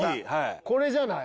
これじゃない？